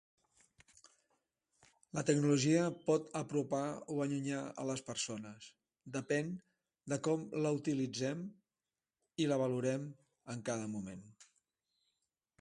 La tecnologia pot apropar o allunyar a les persones. Depèn de com la utilitzem i la valorem en cada moment.